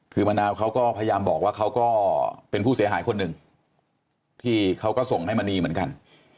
คือมะนาวเขาก็พยายามบอกว่าเขาก็เป็นผู้เสียหายคนหนึ่งที่เขาก็ส่งให้มณีเหมือนกัน